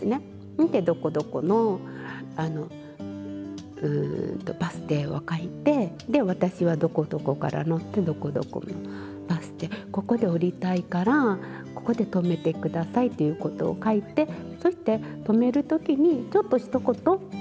見てどこどこのバス停を書いてで私はどこどこから乗ってどこどこのバス停ここで降りたいからここで止めて下さいっていうことを書いてそして止める時にちょっとひと言